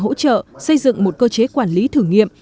hỗ trợ xây dựng một cơ chế quản lý thử nghiệm